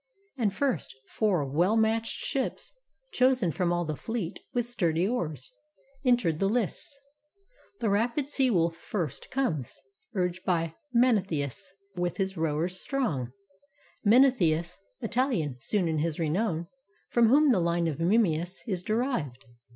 And first, four well matched ships Chosen from all the fleet, with sturdy oars. Enter the lists. The rapid Sea wolf first Comes, urged by Mnestheus, with his rowers strong; Mnestheus, Italian soon in his renown ; From whom the line of Memmius is derived.